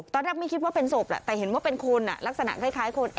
ตอนแรกไม่คิดว่าเป็นศพแหละแต่เห็นว่าเป็นคนลักษณะคล้ายคน